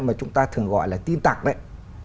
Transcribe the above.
mà chúng ta thường gọi là tin tặc đấy